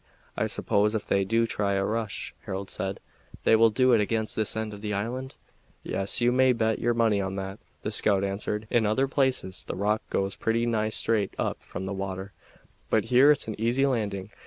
"I suppose if they do try a rush," Harold said, "they will do it against this end of the island?" "Yes, you may bet your money on that," the scout answered. "In other places the rock goes pretty nigh straight up from the water, but here it's an easy landing.